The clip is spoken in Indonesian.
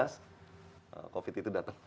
covid itu datang